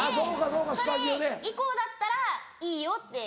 それ以降だったらいいよって。